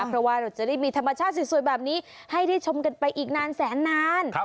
เพราะว่าเราจะได้มีธรรมชาติสวยแบบนี้ให้ได้ชมกันไปอีกนานแสนนาน